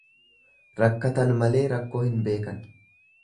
Rakkatan malee rakkoo hin beekan.